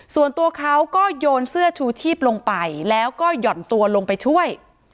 ส่วนตัวเขาก็โยนเสื้อชูชีพลงไปแล้วก็หย่อนตัวลงไปช่วย